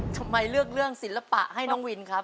ทำไมเลือกเรื่องศิลปะให้น้องวินครับ